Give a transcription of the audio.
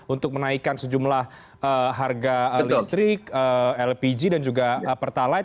untuk menaikkan sejumlah harga listrik lpg dan juga pertalite